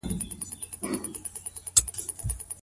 د پښتورګو مینځل چيري ترسره کیږي؟